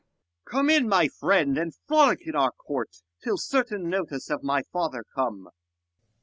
Come in, my friend, and frolic in our court, Till certain notice of my father come.